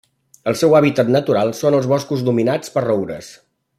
El seu hàbitat natural són els boscos dominats per roures.